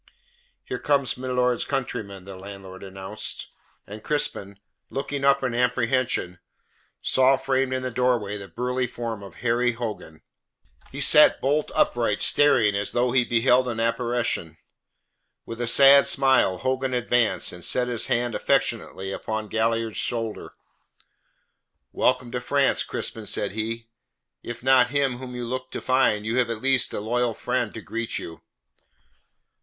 "Here comes milord's countryman," the landlord announced. And Crispin, looking up in apprehension, saw framed in the doorway the burly form of Harry Hogan. He sat bolt upright, staring as though he beheld an apparition. With a sad smile, Hogan advanced, and set his hand affectionately upon Galliard's shoulder. "Welcome to France, Crispin," said he. "If not him whom you looked to find, you have at least a loyal friend to greet you."